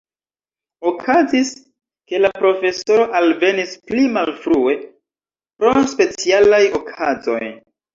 Okazis, ke la profesoro alvenis pli malfrue, pro specialaj okazoj.